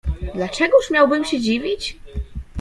"Dlaczegóż miałbym się dziwić?"